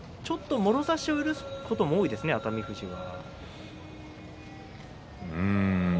もろ差しを許すことも多いですね、熱海富士は。